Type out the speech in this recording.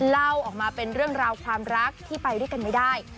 เล่าออกมาเป็นเรื่องราวความรักที่ไปด้วยกันไม่ได้